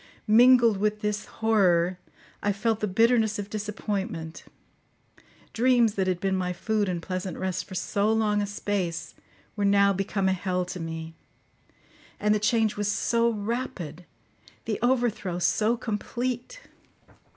Mingled with this horror, I felt the bitterness of disappointment; dreams that had been my food and pleasant rest for so long a space were now become a hell to me; and the change was so rapid, the overthrow so complete!